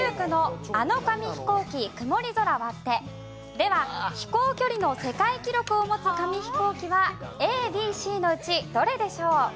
では飛行距離の世界記録を持つ紙飛行機はＡＢＣのうちどれでしょう？